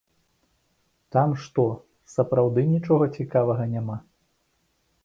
Там што, сапраўды нічога цікавага няма?